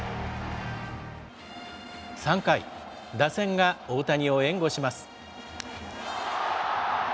３回、打線が大谷を援護します。